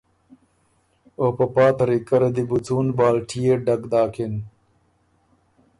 او په پا طریقه ره دی بو څُون بالټيې ډک داکِن۔